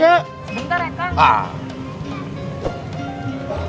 sebentar ya kang